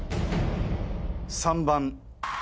３番。